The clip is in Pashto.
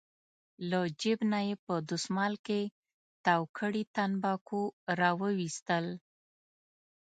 له جېب نه یې په دستمال کې تاو کړي تنباکو راوویستل.